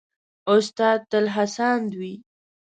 استاد تل هڅاند وي.